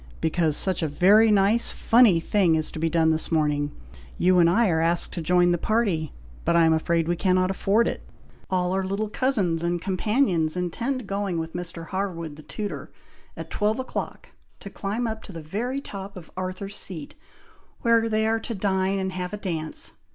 "Because such a very nice, funny thing is to be done this morning. You and I are asked to join the party, but I am afraid we cannot afford it! All our little cousins and companions intend going with Mr. Harwood, the tutor, at twelve o'clock, to climb up to the very top of Arthur's Seat, where they are to dine and have a dance.